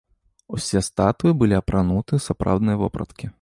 Усе статуі былі апрануты ў сапраўдныя вопраткі.